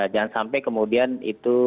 jangan sampai kemudian itu